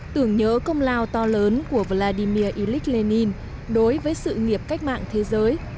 tưởng nhớ công lao to lớn của vladimir ilyich lenin đối với sự nghiệp cách mạng thế giới